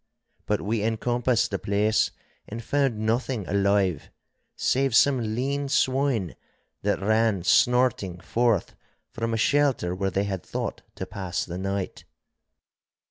But we encompassed the place and found nothing alive, save some lean swine that ran snorting forth from a shelter where they had thought to pass the night.